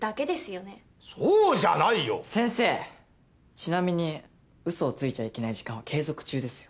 ちなみに嘘をついちゃいけない時間は継続中ですよ。